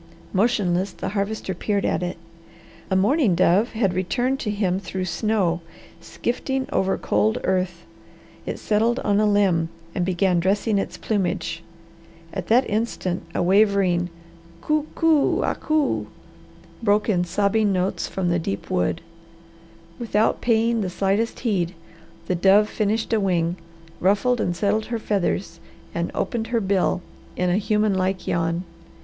Motionless the Harvester peered at it. A mourning dove had returned to him through snow, skifting over cold earth. It settled on a limb and began dressing its plumage. At that instant a wavering, "Coo coo a'gh coo," broke in sobbing notes from the deep wood. Without paying the slightest heed, the dove finished a wing, ruffled and settled her feathers, and opened her bill in a human like yawn.